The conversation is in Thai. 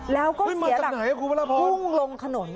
แล้วก็เสียหลักพุ่งลงถนน